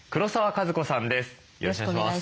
よろしくお願いします。